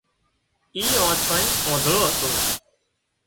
اي آنڇانئي آنڌۯو هتو